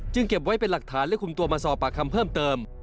เก็บไว้เป็นหลักฐานและคุมตัวมาสอบปากคำเพิ่มเติม